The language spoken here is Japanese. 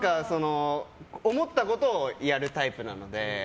思ったことをやるタイプなので。